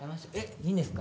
いいんですか？